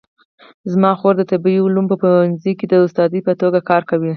زما خور د طبي علومو په پوهنځي کې د استادې په توګه کار کوي